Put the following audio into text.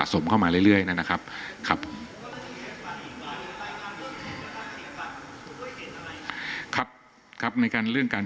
ก็ขอเน้นย้ำเนี่ยก่อนลายหนึ่งผม